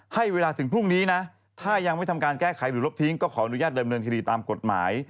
ให้เวลาถึงพรุ่งนี้นะถ้ายังไม่ทำการแก้ไขหรือลบทิ้งก็ขออนุญาตเดิมเนินคดีตามกฎหมาย